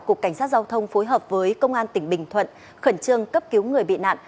cục cảnh sát giao thông phối hợp với công an tỉnh bình thuận khẩn trương cấp cứu người bị nạn